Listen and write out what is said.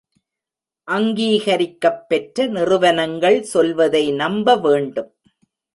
அங்கீகரிக்கப் பெற்ற நிறுவனங்கள் சொல்வதை நம்பவேண்டும்.